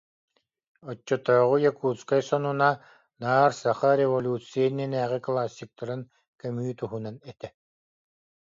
Оччотооҕу Якутскай сонуна наар саха революция иннинээҕи классиктарын көмүү туһунан этэ.